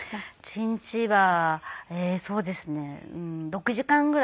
一日はええーそうですね６時間ぐらい。